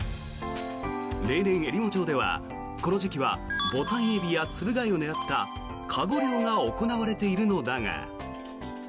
例年、えりも町ではこの時期はボタンエビやつぶ貝を狙った籠漁が行われているのだが。